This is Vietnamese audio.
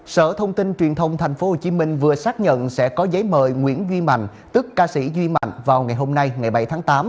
sở thông tin truyền thông tp hcm vừa xác nhận sẽ có giấy mời nguyễn duy mạnh tức ca sĩ duy mạnh vào ngày hôm nay ngày bảy tháng tám